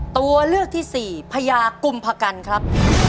ตัวเลือกที่สี่พญากุมพกันครับ